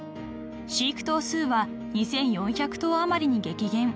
［飼育頭数は２，４００頭余りに激減］